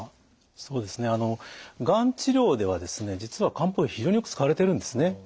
そうですねあのがん治療では実は漢方薬非常によく使われているんですね。